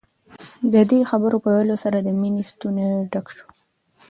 د دې خبرو په ويلو سره د مينې ستونی ډک شو.